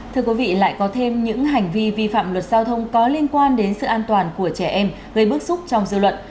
thưa quý vị lại có thêm những hành vi vi phạm luật giao thông có liên quan đến sự an toàn của trẻ em gây bức xúc trong dư luận